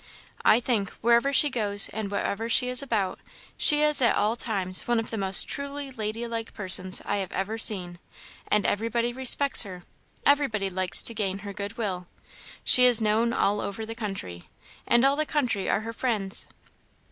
I think, wherever she goes and whatever she is about, she is at all times one of the most truly lady like persons I have ever seen. And everybody respects her; everybody likes to gain her good will; she is known all over the country; and all the country are her friends."